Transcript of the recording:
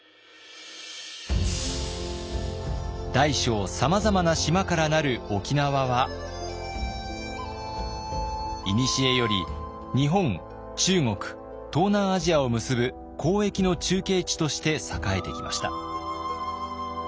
大小さまざまな島から成る沖縄はいにしえより日本中国東南アジアを結ぶ交易の中継地として栄えてきました。